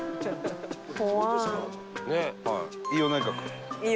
飯尾内閣！